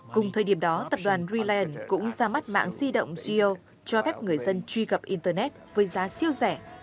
cùng thời điểm đó tập đoàn realand cũng ra mắt mạng di động geo cho phép người dân truy cập internet với giá siêu rẻ